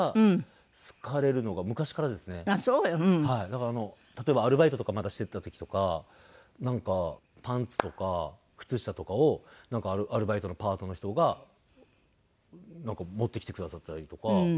だからあの例えばアルバイトとかまだしてた時とかなんかパンツとか靴下とかをアルバイトのパートの人がなんか持ってきてくださったりとか。